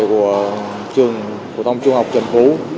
của trường phổ thông trung học trần phú